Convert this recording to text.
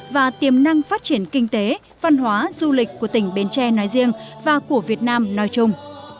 và tiềm năng phát triển kinh tế văn hóa du lịch của tỉnh bến tre nói riêng và của việt nam nói chung